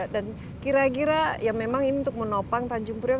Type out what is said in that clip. dan kira kira yang memang ini untuk menopang tanjung purwok